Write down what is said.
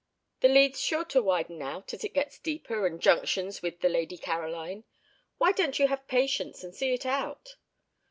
"The lead's sure to widen out as it gets deeper and junctions with the Lady Caroline. Why don't you have patience, and see it out?"